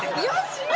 よし！